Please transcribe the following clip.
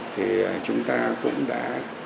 thì chúng ta cũng đã